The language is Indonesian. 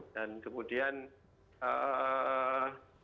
dan kemudian kami berkomunikasi